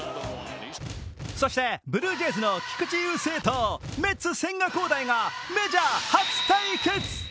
そしてブルージェイズの菊池雄星とメッツ・千賀滉大がメジャー初対決。